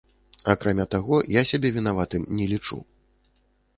Акрамя таго, я сябе вінаватым не лічу.